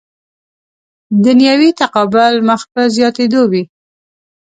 دنیوي تقابل مخ په زیاتېدو وي.